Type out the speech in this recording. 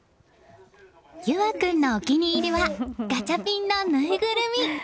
倖和君のお気に入りはガチャピンのぬいぐるみ！